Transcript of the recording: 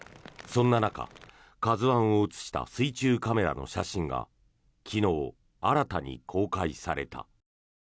そんな中、「ＫＡＺＵ１」を写した水中カメラの写真が昨日、新たに公開された。